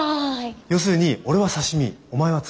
要するに俺は刺身お前はツマ。